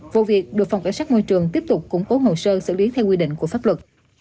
vụ việc được phòng cảnh sát môi trường tiếp tục củng cố hồn sơ xử lý theo quy định của pháp luật